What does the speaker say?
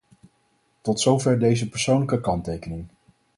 Tot zover deze persoonlijke kanttekening.